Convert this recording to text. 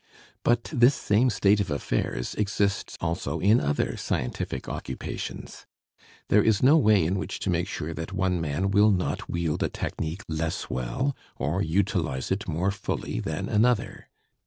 But this same state of affairs exists also in other scientific occupations. There is no way in which to make sure that one man will not wield a technique less well, or utilize it more fully, than another.